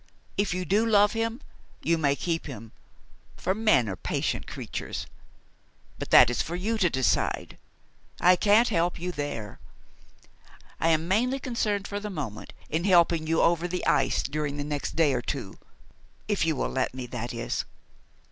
If you do love him, you may keep him, for men are patient creatures. But that is for you to decide. I can't help you there. I am mainly concerned, for the moment, in helping you over the ice during the next day or two if you will let me, that is.